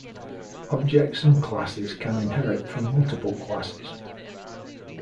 Objects and classes can inherit from multiple classes.